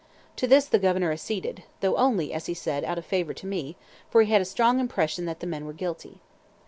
To this the Governor acceded, though only, as he said, out of favour to me, for he had a strong impression that the men were guilty.